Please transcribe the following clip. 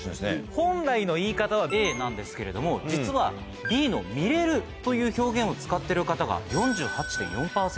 本来の言い方はＡなんですけれども実はＢの「見れる」という表現を使ってる方が４８．４％